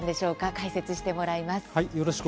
解説してもらいます。